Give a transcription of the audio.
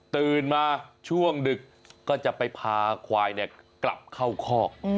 ตื่นมาช่วงดึกก็จะไปพาควายกลับเข้าคอก